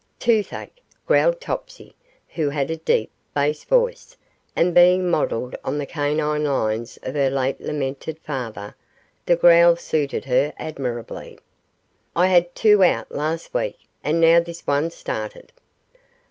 'Toothache,' growled Topsy, who had a deep, bass voice, and being modelled on the canine lines of her late lamented father, the growl suited her admirably. 'I had two out last week, and now this one's started.